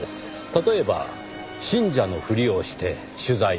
例えば信者のふりをして取材をしていた。